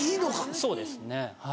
そうですねはい。